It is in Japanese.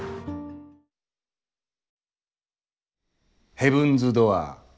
ヘブンズ・ドアー。